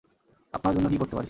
আপনার জন্য কি করতে পারি?